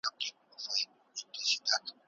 دروند مسؤلیت ستړیا زیاتوي.